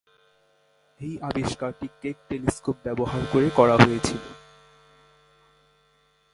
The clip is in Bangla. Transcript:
এই আবিষ্কারটি কেক টেলিস্কোপ ব্যবহার করে করা হয়েছিল।